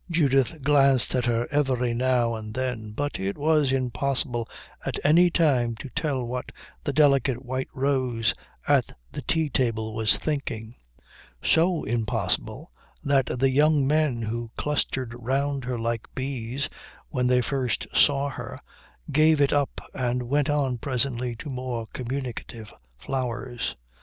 Judith glanced at her every now and then, but it was impossible at any time to tell what the delicate white rose at the tea table was thinking; so impossible that the young men who clustered round her like bees when they first saw her gave it up and went on presently to more communicative flowers.